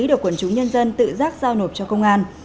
được quần chúng nhân dân tự giác giao nộp cho công an